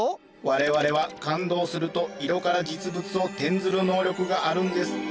我々は感動すると色から実物を転ずる能力があるんです。